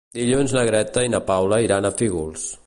Dilluns na Greta i na Paula iran a Fígols.